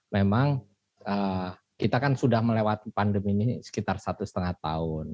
memang kita kan sudah melewati pandemi ini sekitar satu lima tahun